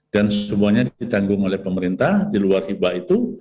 dan semuanya ditanggung oleh pemerintah di luar hibah itu